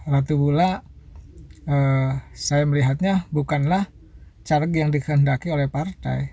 ratu bula saya melihatnya bukanlah caleg yang dikehendaki oleh partai